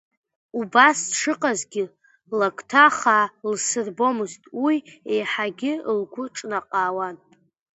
Убас дшыҟазгьы, лакҭа хаа лсырбомызт, уи еиҳагьы лгәы ҿнакаауан.